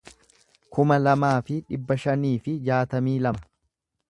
kuma lamaa fi dhibba shanii fi jaatamii lama